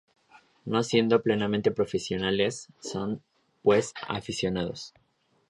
No siendo "plenamente "profesionales", son pues "aficionados".